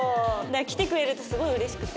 来てくれるとすごい嬉しくて。